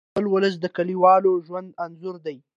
تاریخ د خپل ولس د کلیوال ژوند انځور دی.